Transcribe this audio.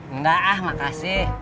enggak ah makasih